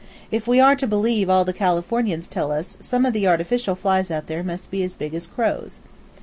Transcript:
If we are to believe all the Californians tell us some of the artificial flies out there must be as big as crows."